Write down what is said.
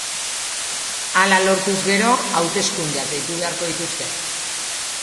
Hala lortuz gero, hauteskundeak deitu beharko dituzte.